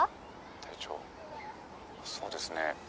「体調そうですね」